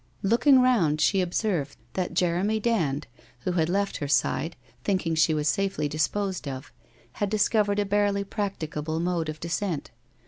Looking round she observed that Jeremy Dand, who had left her side, thinking she was safely disposed of, had discovered a barely practicable mode of descent.